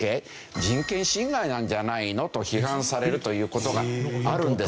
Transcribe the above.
人権侵害なんじゃないの？」と批判されるという事があるんですよ。